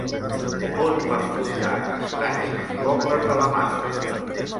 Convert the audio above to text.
On van fundar estats els pobles de la mar?